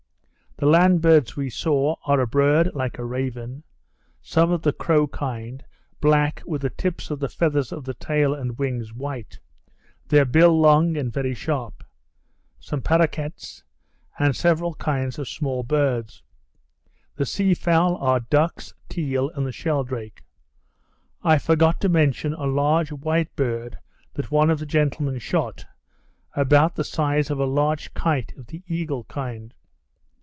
The land birds we saw, are a bird like a raven; some of the crow kind, black, with the tips of the feathers of the tail and wings white, their bill long and very sharp; some paroquets; and several kinds of small birds. The sea fowl are ducks, teal, and the sheldrake. I forgot to mention a large white bird, that one of the gentlemen shot, about the size of a large kite of the eagle kind.